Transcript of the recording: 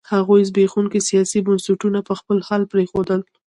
هغوی زبېښونکي سیاسي بنسټونه په خپل حال پرېښودل.